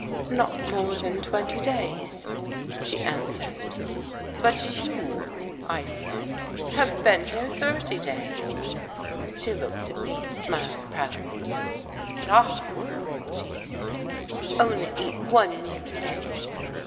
"Not more than twenty days," she answered. "But you," I said, "have been here thirty days!" She looked at me and smiled proudly. "But I," she said, "only eat one meal a day.